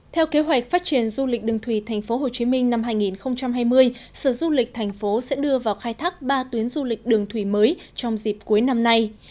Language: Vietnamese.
theo kế hoạch phát triển du lịch đường thủy tp hcm năm hai nghìn hai mươi sở du lịch thành phố sẽ đưa vào khai thác ba tuyến du lịch đường thủy mới trong dịp cuối năm nay